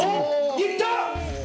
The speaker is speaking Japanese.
いった。